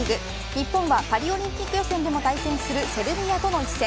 日本はパリオリンピック予選でも対戦するセルビアとの一戦。